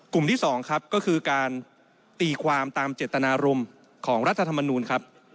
ที่๒ครับก็คือการตีความตามเจตนารมณ์ของรัฐธรรมนูลครับ